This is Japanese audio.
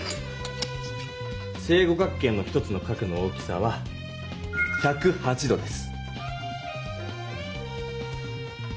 正五角形の１つの角の大きさは１０８度です。